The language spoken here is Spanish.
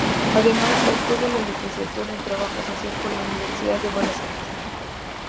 Además, obtuvo la licenciatura en Trabajo social por la Universidad de Buenos Aires.